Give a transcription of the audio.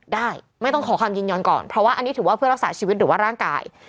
ได้ไม่ต้องขอความยินยอมก่อนเพราะว่าอันนี้ถือว่าเพื่อรักษาชีวิตหรือว่าร่างกาย